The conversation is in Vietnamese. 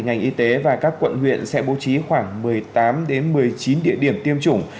ngành y tế và các quận huyện sẽ bố trí khoảng một mươi tám một mươi chín địa điểm tiêm chủng